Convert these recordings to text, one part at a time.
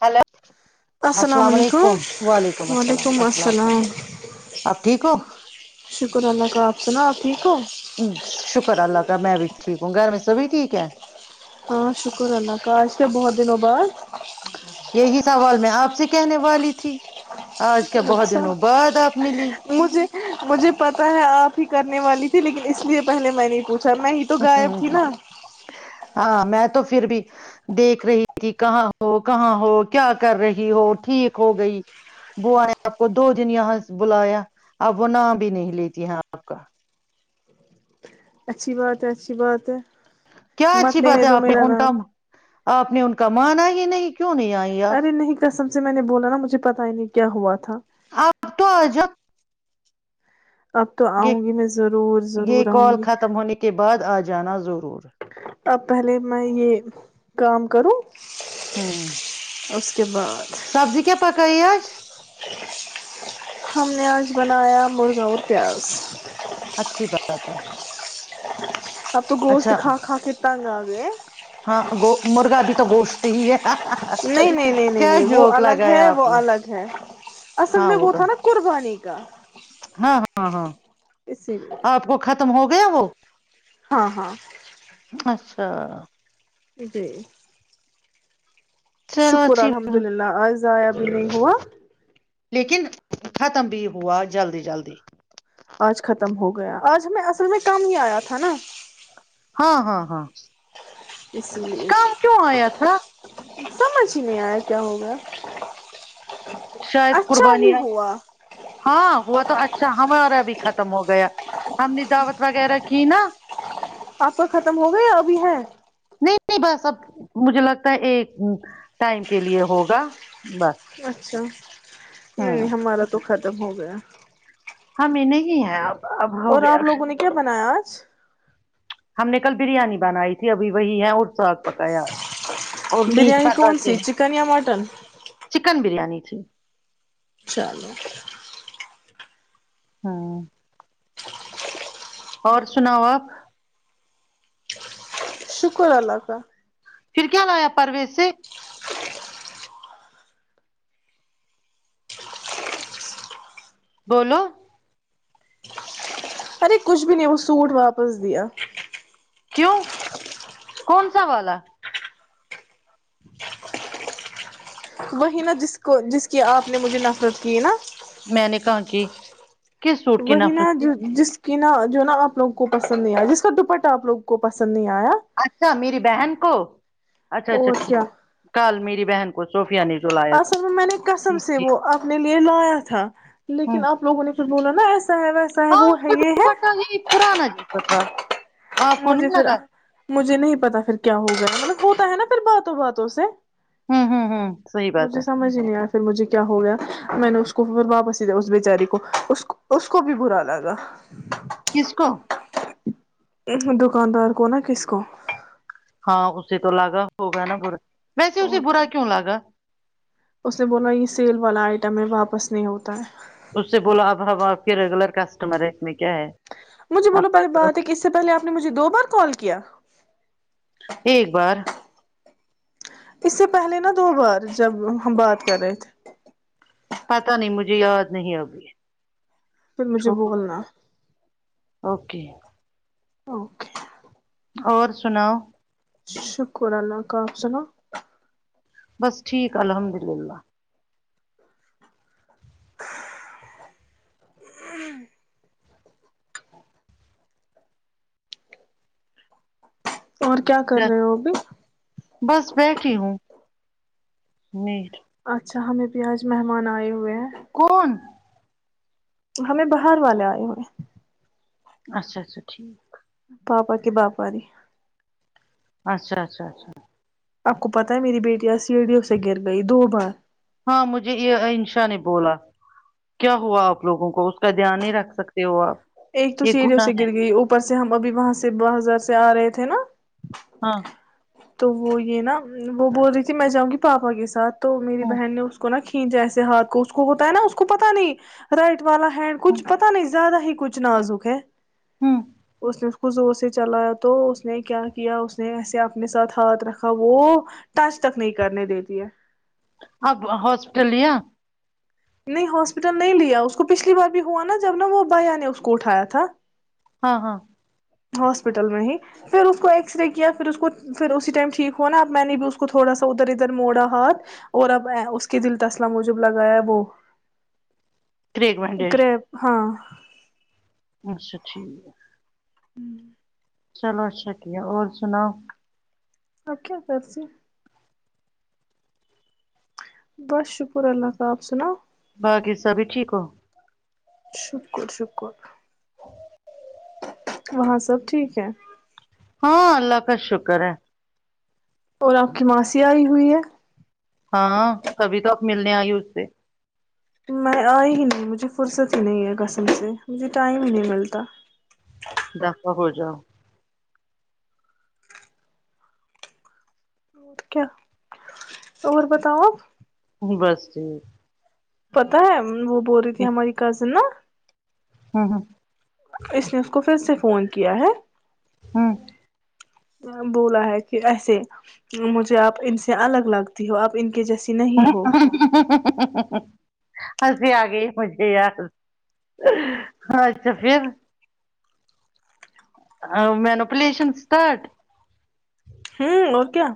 Hello السلام علیکم وعلیکم السلام السلام علیکم آپ ٹھیک ہو سناؤ ٹھیک ہو شکر اللہ کا میں بھی ٹھیک ہوں گھر میں سبھی ٹھیک ہے ہاں شکر اللہ کا آج کے بہت دنوں بعد ا یہی سوال میں آپ سے کہنے والی تھی آج کیا بہت اچھا دنوں بعد آپ ملی مجھے مجھے پتا ہے آپ ہی کرنے والی لیکن اس لیے پلے میں نے پوچ اچھا میں ہی تو غائب تھی نا ہاں میں تو پھر بھی دیکھ رہی تھی کہاں ہو کہاں ہو کیا کر رہی ہو ٹھیک ہو گئی بوو نے آپ کو دو دن یہاں بلایا اب وہ نام بھی نہیں لیتی ہے آپ کا اچھی بات ہے اچھی بات ہے کیا مت اچھی بات لینے ہے دو آپ نے میرا ان نام کا آپ نے ان کا مان ہی نہیں کیوں نہیں آئی آپ ارے نہیں کسم سے میں نے بولا نا مجھے پتا ہی نہیں کیا ہوا تھا آپ تو آ جا اب تو یہ آؤں گی میں ضرور یہ ضرور آؤں کال گی ختم ہونے کے بعد آ جانا ضرور [unintelligible] اب پہلے میں یہ کام کروں ہاں ا [inaudible] سبزی کیا پکائی آج ہم نے آج بنایا مرغہ اور پیاز [unintelligible] اچھی بات ہے [unintelligible] اب تو گوشت اچھا کھا کھا کے تنگ آ گئے ہاں مرغا بھی تو گوشت ہی ہے نہیں نہیں نہیں نہیں کیا نہیں وہ جوک الگ لگایا ہے آپ وہ نے الگ ہے اصل ہاں میں وہ تو تھا نا قربانی [unintelligible] ک [unintelligible] ہاں ہاں ہاں [unintelligible] لیے آپ کو ختم ہوگا [unintelligible] وہ [unintelligible] ہاں ہاں اچھا [unintelligible] جی [unintelligible] چلو شکر اچھی الحمد للہ آ ضائع بھی نہیں ہوا لیکن ختم بھی ہوا جلدی جلدی آج ختم ہو گیا آج ہمیں اصل میں کم ہی آیا تھا نا ہاں ہاں ہاں اس لی کام کیوں آیا تھا [unintelligible] سمجھ ہی نہیں آیا کیا ہوگا [unintelligible] شاید قربانیاں ہاں ہوا تو اچھا ہمار [unintelligible] ختم ہو گیا ہم نے دعوت وغیرہ کی نا [unintelligible] آپ کا ختم ہو گئے یا ابھی ہے [inaudible] نہیں نہیں بس اب مجھے لگتا ہے ایک ٹائم کے لیے ہوگا بس [unintelligible] اچھا [unintelligible] نہیں نہیں ہوں ہمارا تو خرا تب ہو گیا [unintelligible] ہاں میںنے ہی ہے اب ہو اور گیا آپ لوگوں نے کیا بنایا آج ہم نے کل بریانی بنائی تھی ابھی وہی ہے اور ساگ پکایا آج اور میٹ بریانی پکا کون سی کے ہے چکن یا مٹن جی [unintelligible] چلو ہاں [unintelligible] اور سناؤ آپ شکر اللہ کا [unintelligible] پھر کیا لایا پرویز سے بولو [unintelligible] ارے کچھ بھی نہیں وہ سوٹ واپس دیا کیوں کون سا والا [unintelligible] وہی نا جس کو جس کی آپ نے مجھے نفرت کی نا میں نے کہا کہ کس سوٹ کی وہی نفرت نا تھی جو جس کہ نا جو نا آپ لوگ کو پسند نہیں آیا جس کا دپٹ آپ لوگ کو پسند نہیں آیا اچھا میری بہن کو اچھا اچھا اور ٹھیک کیا کل میری بہن کو صوفیہ نے جو لایا تھا ٹھیک ٹھیک پ لایا تھا ہاں لیکن آپ لوگوں نے بولو ن احب و صاحب ہاں وہ ہے یہ ہے ہاں مجھے پھر مجھے نہیں پتا پھر کیا ہوگا مطلب ہوتا ہے نا پھر باتوں باتوں سے ہوں ہوں ہوں صحی بات مجھے ہے سمجھ ہی نہیں آیا مجھے کیا ہو گیا میں نے اس کو پھر واپس اس بچاری کو اس کو بھی برا لگا کس کو دکاندار کو نا کس کو ہاں اسسی تو الگا ہوگا نا برا ویسے اسے اور برا کیا کیوں لگا اس نے بولا یہ سیل والائے ٹیں واپس نہیں ہوتا ہے اس سے بولو اب ہم آپ کے ریگولر کسٹمر ہے اس میں کیا ہے مجھے بولو آپ پہلے کرو بات ہے کہ اس سے پہلے آپ نے مجھے دو بار کال کیا ایک بار اس سے پہلے نا دو بار جب ہم بات کر رہے تھے پتا نہیں مجھے یاد نہیں آگی پھر مجھے بھولنا اوکے اوکے اور سناؤ شکر اللہ کاپ سنا بس ٹھیک الحمد للہ ہ اور کیا کر رہے وہ بھیھی نہیں اچھا ہمیں پ آج مہمان آئے ہوئے ہیں کون ہمیں باہر والے آئے ہوئے اچھا اچھا ٹھیک پاپا کے باپا ج اچھا اچھا اچھا آپ کو پتا ہے میری بیٹی ا سیڑھی اس سے گر گئی دو بار ہاں مجھے انشا نے بولا کیا ہوا آپ لوگوں کو اس کا دھیان نہیں رکھ سکتے ہو آپ ایک ت یہ ا جوو س گناہ ہے گر گئی اوپر سے ہم ابھی وہاں سے ب ہازار سے آ رہے تھے نا ہاں تو وہ یہ نا وہ بول رہی تھی میں جؤں گی پاپا کے ساتھ تو میری ہاں بہن نے اس کو نہ جیسے ہاتھ کو اس کو ہوتا ہے نا اس کو پتا نہیں رائٹ والا ہے ہاں کچھ پتا نہیں زیادہ ہی چنازک ہے ہوں اس نے ک زور سے چلایا تو اس نے کیا کیا اس نے ایسے اپنے ساتھ ہاتھ رکھا وہ ٹچ تک نہیں کرنے دیتی ہے اب ہاسپٹلیا نہیں ہاسپٹل نہیں لیا اس کو پچھلی بار بھی ہوا نا جب نا وہ بیا نے اس کو اٹھایا تھا ہاں ہاں ہاسپٹل میں ہی پھر اس کو ایکس رے کیا پھر اس کو پھر اسی ٹائم ٹھیک ہوا نا اب میں نے بھی اس کو تھوڑا سا ادھر ادھر موڑا ہاتھ اور اب اس کے دل تسلا مجب لگایا وہ کریک بینڈیج گریپ ہاں اچھا ٹھیک ہوں چلو اچھا ھ ہے اور سناؤ آکھیا ت سےے بس شکر اللہ تالی آپ سناو بقی سبھی ٹھیک ہو شکر شکر وہاں سب ٹھیک ہے ہاں اللہ کا شکر ہے اور آپ کی ماسی آئی ہوئی ہے ہاں کبھی تو اپ ملنے آگئے اس سے میں آئی ہی نہیں مجھے فرصت ہی نہیں ہے کسم سے مجھے ٹائم ہی نہیں ملتا ا جاؤ اور بتاؤا بس ٹھیک پتا ہے وہ بول رہی تھی ہماری کزن نا ہاں ہاں اس نے اس کو پھر سے فون کیا ہے ہوں بولا ہے کہ ایسے مجھے آپ ان سے الگ لگتی ہو آپ کے جیسی نہیں ہو [inaudible] اسے آ گئی مجھے یار اچھا پھر مینپلیشن اسٹارٹ ہ اور کیا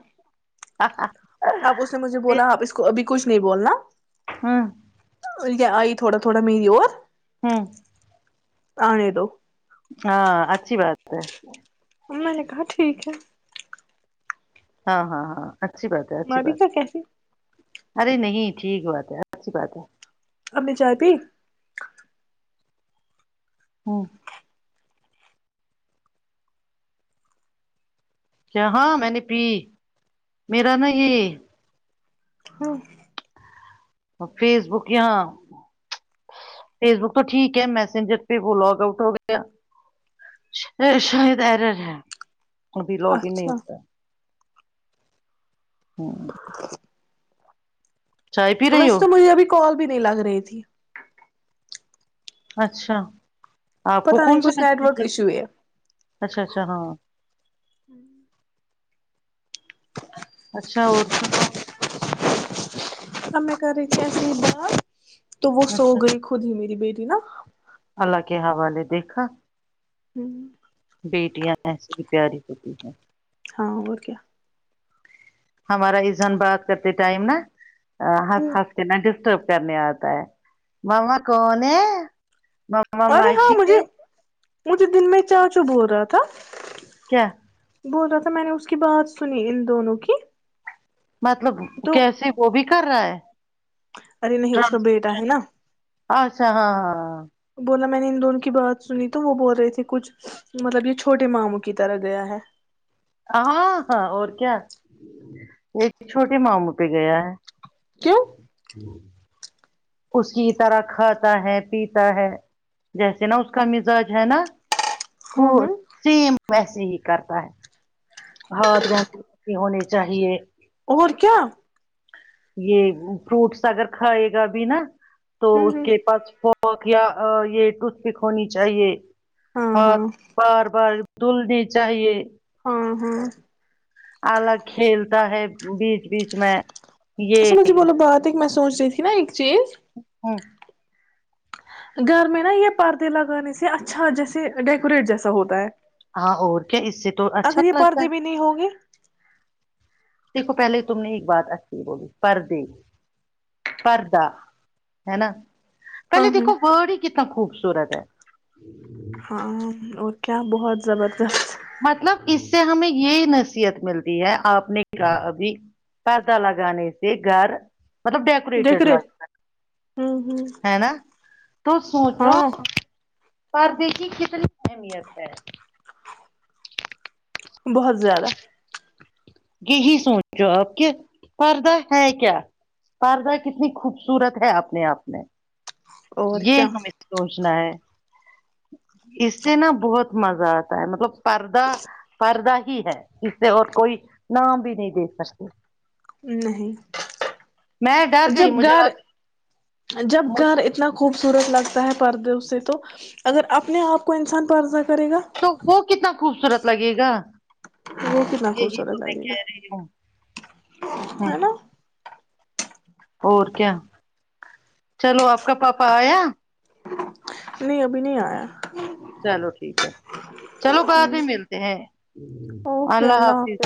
آپ اس نے مجھے بولا آپ اس کو ابھی کچھ نہیں بولنا ہاں آئی تھوڑا تھوڑا میری اور ہوں آنے دو ہاں اچھی بات ہے میں نے کہا ٹھیک ہے ہاں ہاں ہاں اچھی بات ہے اچھی میں بھی بات کیا ہے کہتی ارے نہیں ٹھیک بات ہے اچھی بات ہے آ نے چاہب ہ اچ ہاں میں نے پی میرا نا یہ ہاں فیس بک یہاں فیس بک تو ٹھیک ہے میسینجر پہ وہ لاگ آؤٹ ہو گیا شاید ارر ہے ا بھی لوگ ہی نہیں اچھا ہوتا ہوں [inaudible] چائے پی رہی میںس ہو تو مجھے ابھی کال نہیں لگ رہی تھی اچھا آپ کو پتا نہیں کون سا کچھ نیٹ ورک ایشو ہے اچھا اچھا ہاں اچھا اور سناؤ ہمم کر کیا س با تو وہ سو اچھا گئی خود ہی میری بیٹی ت نا اللہ کے حوالے دیکھا بیٹیاں ای پیاری ہوتی ہے ہاں اور کیا ہمارا ازن بات کرتے ٹائم نا حس خس کے ن ڈسٹرب کرنے آتا ہے ما کون ہے [unintelligible] مما ارے معاش ہاں کے مجھے [unintelligible] مجھے دن میں چا چو ب ہوول رہا تھا کیا بول رہا تھا میں نے اس کی بات سنی ان دونوں کی [unintelligible] مطلب تو کیسے وہ بھی کر رہا ہے [unintelligible] ارے نہیں اس کا بیٹا ہے ٹرانسلیشن نا اچھا ہاں ہاں ہاں [unintelligible] بولا میں نے ان دونوں کی بات سنی تو وہ بول رہے تھے کچھ مطلب یہ چھوٹے ماموں کی طرح گیا ہے [unintelligible] ہاں ہاں اور کیا ایک چھوٹے ماموں پہ گیا ہے کیوں ہوں [unintelligible] اس کی طرح کھاتا ہے پیتا ہے جیسے نا اس کا مزاج ہے نا خ ہاں ہاں سیم [unintelligible] ویسے ہی کرتا ہے [unintelligible] ہاد جے ہونے چاہیے اور کیا؟ [unintelligible] یہ فروٹس اگر کھائے گا بھی نا تو ہ اس ہ کے پاس ف یہ ٹوتھ پک ہونی چاہیے [unintelligible] ہاں بار بار [unintelligible] دل نہیں چاہیے ہاں ہاں الگ کھیلتا ہے بیچ اس بیچ میں یہ اچھا مجھے بولو [unintelligible] بات ایک میں سوچ رہی تھی نا ایک چیز [unintelligible] ہ [unintelligible] گھر میں نا یہ پردے لگانے سے اچھا جیسے ڈیکوریٹ جیسا ہوتا ہے ہاں اور کیا اس سے تو اچھا اگر یہ لگتا ہے پردے بھی نہیں ہوں گے دیکھو پہلے تم نے ایک بات اچھی بولی پردے پردہ ہے نا پہلے ہاں ہ دیکو برڈ ہی کتنا خوبص سورت ہے [unintelligible] ہاں اور کیا بہت زبردست [unintelligible] مطلب اس سے ہمیں یہی نصیحت ملتی ہے آپ نےبھی پدہ لگانے سے گھر ملب ڈیکیٹ لگ ڈیکوریٹ ہ ہ ہے نا تو سوچو ہاں [unintelligible] پر دیکھی کتنی اہمیت ہے [unintelligible] بہت زیادہ [unintelligible] یہی سوچ جوو آپ کہ پردہ ہے کیا پردہ کتنی خوبصورت ہے اپنے آپ میں اور یہ کیا ہمیں سوچنا ہے اس سے نا بہت مزہ آتا ہے مطلب پرد پرد ہے اسے اور کوئی نام بھی نہیں دے سکتی نہیں میں ڈر جب گئی مجھے گھر لگ جب گھر اتنا خوب سورت لگتا ہے پردے اس سے تو اگر اپنے آپ کو انسان پردہ کرے گا تو وہ کتنا خوبصورت لگے گا وہ کتنا یہی تو خوبصورت میں لگے کہہ گا رہی ہوں ہے ہوں نا اور کیا چلو آپ کا پاپا آیا نہیں ابھی نہیں آیا چلو ٹھیک ہے چلو بعد میں ملتے ہیں اللہ حافظ